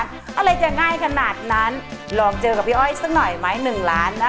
สร้างไปด้วยอยู่ไปด้วยนะฮะ